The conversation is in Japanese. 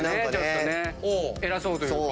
偉そうというか。